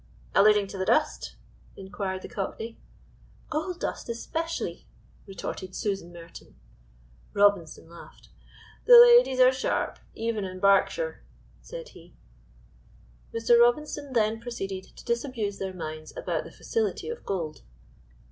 "Alluding to the dust?" inquired the Cockney. "Gold dust especially," retorted Susan Merton. Robinson laughed. "The ladies are sharp, even in Berkshire," said he. Mr. Robinson then proceeded to disabuse their minds about the facility of gold.